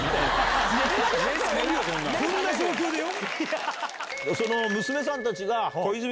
こんな状況でよ！